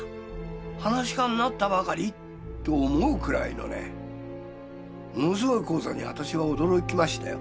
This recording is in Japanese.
噺家になったばかり？」って思うくらいのねものすごい高座に私は驚きましたよ。